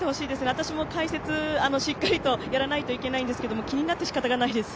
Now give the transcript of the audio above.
私も解説、しっかりとやらないといけないんですけど、気になって仕方がないです。